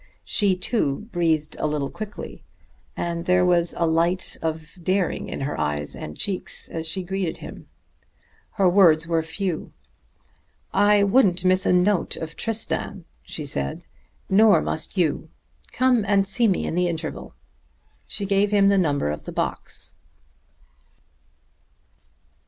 She, too, breathed a little quickly, and there was a light of daring in her eyes and cheeks as she greeted him. Her words were few. "I wouldn't miss a note of Tristan," she said, "nor must you. Come and see me in the interval." She gave him the number of the box.